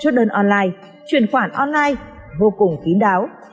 chốt đơn online truyền khoản online vô cùng kín đáo